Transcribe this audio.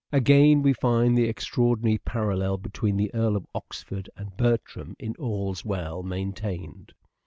Again we find the extraordinary parallel between the Earl of Oxford and Bertram, in " All's Well," maintained.